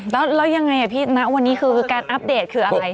แล้วยังไงพี่ณวันนี้คือการอัปเดตคืออะไร